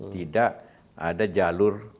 tidak ada jalur